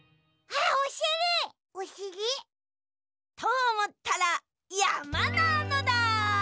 おしり？とおもったらやまなのだ！